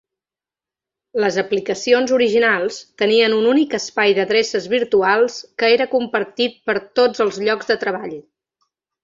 Les aplicacions originals tenien un únic espai d'adreces virtuals, que era compartit per tots els llocs de treball.